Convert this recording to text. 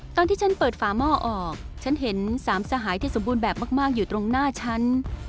ตอนที่ฉันเปิดฝาหม้อออกฉันเห็นสามสหายที่สมบูรณ์แบบมากอยู่ตรงหน้าฉัน